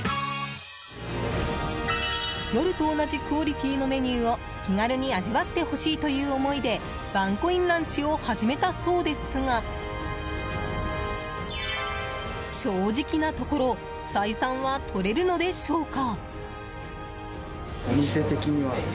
夜と同じクオリティーのメニューを気軽に味わってほしいという思いでワンコインランチを始めたそうですが正直なところ採算は取れるのでしょうか。